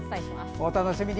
お楽しみに。